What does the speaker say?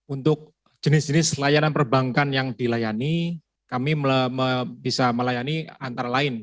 untuk jenis jenis layanan perbankan yang dilayani kami bisa melayani antara lain